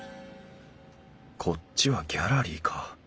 こっちはギャラリーか。